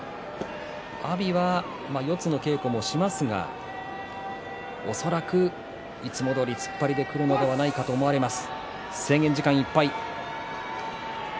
阿炎は四つの稽古もしますが恐らくいつもどおり突っ張りでくるのではないかと思われます。